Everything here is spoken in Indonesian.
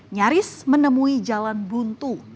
nyaris menemui jalan buntu